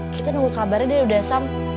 kita nunggu kabarnya dari udhasam